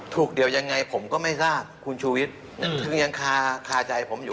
ถูกเดี่ยวยังไงผมก็ไม่ทราบคุณชุวิชยังคาใจผมอยู่